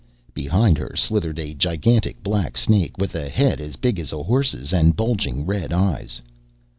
Behind her slithered a gigantic black snake, with a head as big as a horse's, and bulging red eyes.